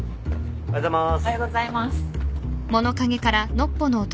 おはようございます。